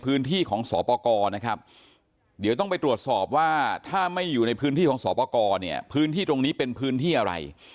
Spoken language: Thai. พื้นที่ของสอปกรนะครับเดี๋ยวต้องไปตรวจสอบว่าถ้าไม่อยู่ในพื้นที่ของสอปกรเนี่ยพื้นที่ตรงนี้เป็นพื้นที่อะไร